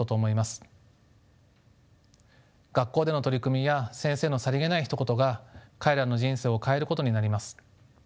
学校での取り組みや先生のさりげないひと言が彼らの人生を変えることになります。